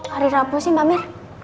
hari rabu sih mbak mir